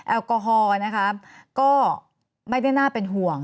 แอลกอฮอล์นะคะก็ไม่ได้น่าเป็นห่วง